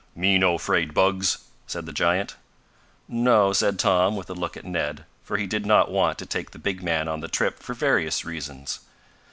"Me no 'fraid bugs," said the giant. "No," said Tom, with a look at Ned, for he did not want to take the big man on the trip for various reasons.